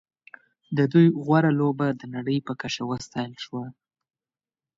د دوی غوره لوبه د نړۍ په کچه وستایل شوه.